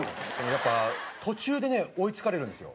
やっぱ途中でね追い付かれるんですよ。